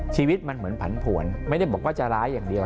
ชีวิตมันเหมือนผันผวนไม่ได้บอกว่าจะร้ายอย่างเดียว